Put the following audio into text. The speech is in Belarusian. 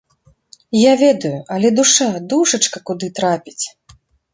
Я ведаю, але душа, душачка куды трапіць?